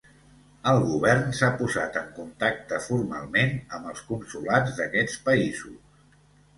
El govern s’ha posat en contacte formalment amb els consolats d’aquests països.